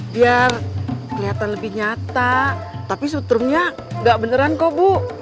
biar kelihatan lebih nyata tapi sutrumnya nggak beneran kok bu